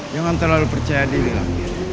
jangan terlalu percaya diri bilang